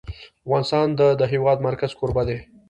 افغانستان د د هېواد مرکز کوربه دی.